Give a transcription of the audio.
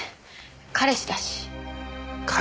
彼氏だし。